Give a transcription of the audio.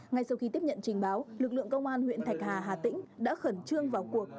ngay sau khi tiếp nhận trình báo lực lượng công an huyện thạch hà hà tĩnh đã khẩn trương vào cuộc